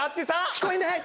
聞こえない。